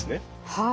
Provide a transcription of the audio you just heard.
はい。